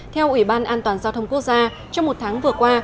theo ủy ban an toàn giao thông quốc gia trong một tháng vừa qua